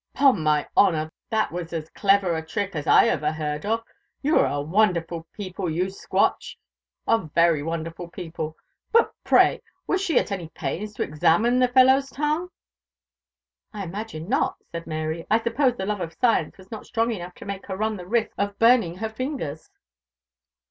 "'Pon my honour, and that was as clever a trick as ever I heard of! You are a wonderful people, you Scotch a very wonderful people but, pray, was she at any pains to examine the fellow's tongue?" "I imagine not," said Mary; "I suppose the love of science was not strong enough to make her run the risk of burning her fingers."